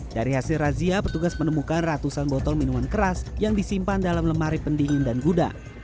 dari hasil razia petugas menemukan ratusan botol minuman keras yang disimpan dalam lemari pendingin dan gudang